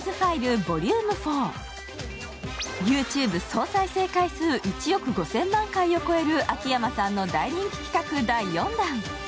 ＹｏｕＴｕｂｅ総再生回数１億５０００万回を超える秋山さんの大人気企画、第４弾。